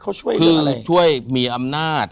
เขาช่วยเกิดอะไรคือช่วยมีอำนาจ